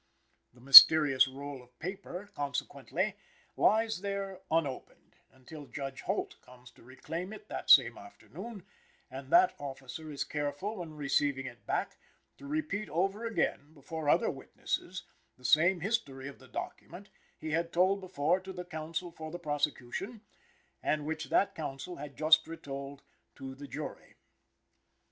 The mysterious roll of paper, consequently, lies there unopened, until Judge Holt comes to reclaim it that same afternoon; and that officer is careful, when receiving it back, to repeat over again, before other witnesses, the same history of the document, he had told before to the counsel for the prosecution, and which that counsel had just retold to the jury.